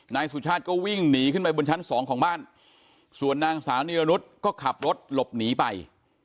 นายสุชาติก็วิ่งหนีขึ้นไปบนชั้นสองของบ้านส่วนนางสาวนิรนุษย์ก็ขับรถหลบหนีไป